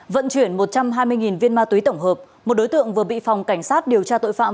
vận chuyển một trăm hai mươi viên ma túy tổng hợp một đối tượng vừa bị phòng cảnh sát điều tra tội phạm